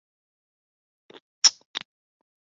大阪府大阪市出身。